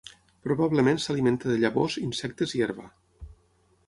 Probablement s'alimenta de llavors, insectes i herba.